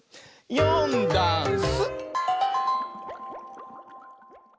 「よんだんす」